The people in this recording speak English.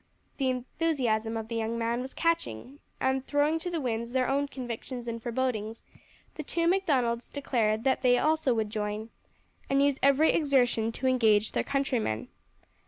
The enthusiasm of the young man was catching, and throwing to the winds their own convictions and forebodings, the two Macdonalds declared that they also would join, and use every exertion to engage their countrymen.